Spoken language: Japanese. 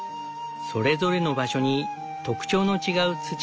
それぞれの場所に特徴の違う土がある。